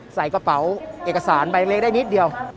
ใส่กระเป๋าเอกสารใบเล็กได้นิดเดียว